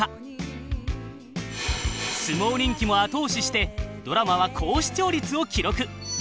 相撲人気も後押ししてドラマは高視聴率を記録。